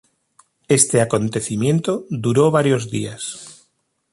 Este acontecimiento duró varios días.